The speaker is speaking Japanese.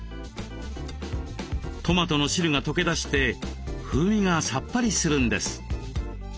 トマトの汁が溶け出して風味がさっぱりするんです。